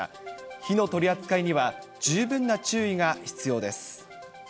火の取り扱いには十分な注意が必要です。